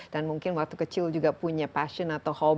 dan mungkin waktu kecil juga punya passion atau